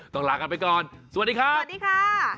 ลากันไปก่อนสวัสดีครับสวัสดีค่ะ